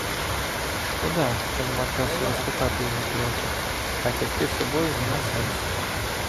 Шкода, що нема часу розпитати його трохи, а тягти з собою нема сенсу.